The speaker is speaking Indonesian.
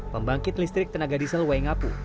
pembangkit listrik tenaga diesel waingapu